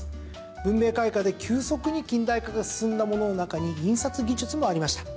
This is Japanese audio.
文明開化で急速に近代化が進んだものの中に印刷技術もありました。